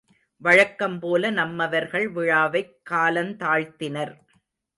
வழக்கம்போல நம்மவர்கள் விழாவைக் காலந்தாழ்த்தினர்.